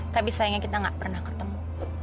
tapi sayangnya kita gak pernah ketemu